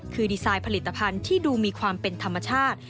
คือดีไซน์ผลิตภัณฑ์ที่ดูมีความเป็นธรรมชาติ